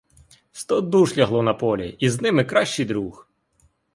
Сто душ лягло на полі і з ними кращий друг!